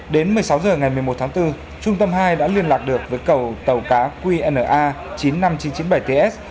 đến một mươi sáu h ngày một mươi một tháng bốn trung tâm hai đã liên lạc được với cầu tàu cá qna chín mươi năm nghìn chín trăm chín mươi bảy ts